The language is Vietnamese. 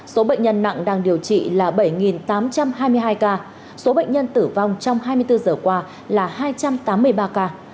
số bệnh nhân nặng đang điều trị là bảy tám trăm hai mươi hai ca số bệnh nhân tử vong trong hai mươi bốn giờ qua là hai trăm tám mươi ba ca